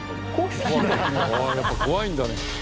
やっぱ怖いんだね。